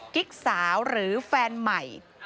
กิ๊กสาวหรือแฟนใหม่